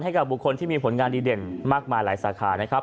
ให้กับบุคคลที่มีผลงานดีเด่นมากมายหลายสาขานะครับ